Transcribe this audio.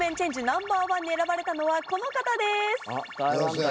ナンバーワンに選ばれたのはこの方です！